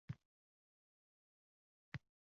bebaho sog’ligingiz